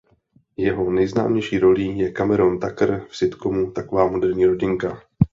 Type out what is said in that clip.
Jeho nejznámější rolí je Cameron Tucker v sitcomu "Taková moderní rodinka".